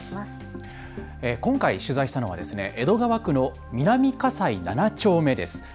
今回、取材したのは江戸川区の南葛西７丁目です。